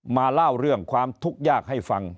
มาเล่าเรื่องความทุกข์ยากให้ฟัง